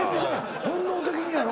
本能的にやろ？